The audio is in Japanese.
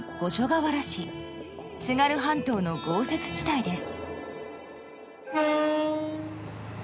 ［津軽半島の豪雪地帯です］